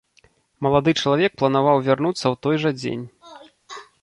Малады чалавек планаваў вярнуцца ў той жа дзень.